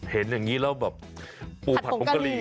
เห็นอย่างนี้แล้วแบบปูผัดผงกะหรี่